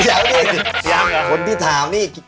แล้วนี่คนที่ถามนี่